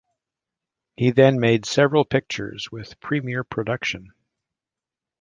He then made several pictures with Premiere Production.